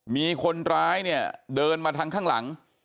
มีคนร้ายเนี่ยเดินมาทางข้างหลัง